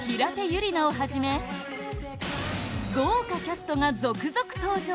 友梨奈をはじめ豪華キャストが続々登場